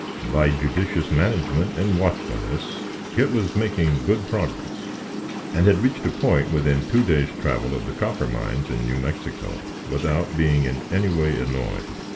By judicious management and watchfulness, Kit was making good progress, and had reached a point within two days' travel of the Copper Mines in New Mexico without being in any way annoyed.